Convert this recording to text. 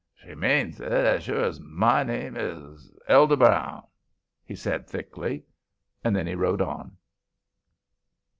"She means it, as sure as my name is Elder Brown," he said, thickly. Then he rode on.